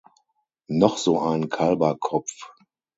Noch so ein Kalberkopf.